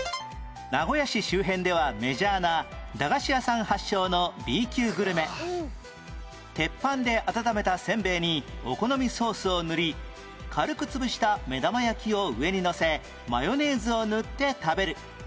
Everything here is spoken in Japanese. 名古屋市周辺ではメジャーな鉄板で温めたせんべいにお好みソースを塗り軽く潰した目玉焼きを上にのせマヨネーズを塗って食べる